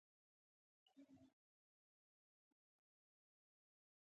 د وربشو کښت په کوم موسم کې کیږي؟